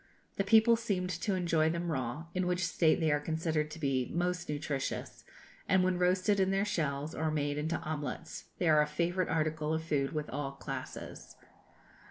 The people seemed to enjoy them raw, in which state they are considered to be most nutritious; and when roasted in their shells, or made into omelettes, they are a favourite article of food with all classes.